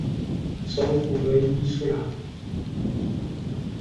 首府为伊苏兰。